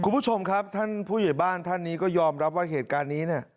คุณผู้ชมครับท่านผู้ใหญ่บ้านท่านนี้ก็ยอมรับว่าเหตุการณ์นี้เนี่ย